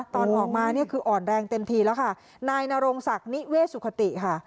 ตอนออกมาเนี่ยคืออ่อนแรงเต็มทีแล้วค่ะนายนรงศักดิ์นิเวสุขติค่ะ